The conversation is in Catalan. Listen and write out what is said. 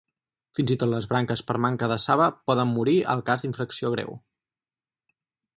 Fins i tot les branques per manca de saba poden morir al cas d'infecció greu.